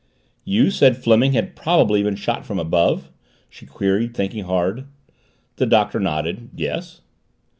"You said Fleming had probably been shot from above?" she queried, thinking hard. The Doctor nodded. "Yes."